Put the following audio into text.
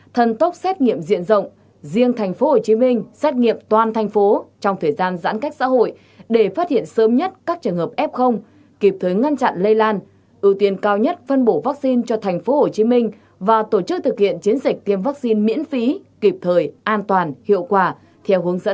thần tốc xét nghiệm diện rộng riêng tp hcm xét nghiệm toàn thành phố trong thời gian giãn cách xã hội để phát hiện sớm nhất các trường hợp f kịp thuế ngăn chặn lây lan ưu tiên cao nhất phân bổ vaccine cho tp hcm và tổ chức thực hiện chiến dịch tiêm vaccine miễn phí kịp thời an toàn hiệu quả theo hướng dẫn